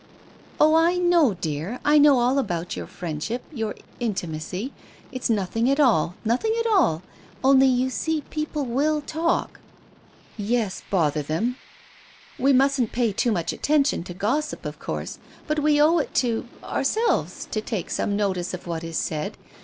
" "Oh, I know, dear, I know all about your friendship — your intimacy ... it's nothing at all, nothing at all ... only you see people will talk." "Yes, bother them!" "We mustn't pay too much attention to gossip, of course, but we owe it to — ourselves, to take some notice of what is said.